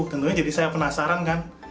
tentunya jadi saya penasaran kan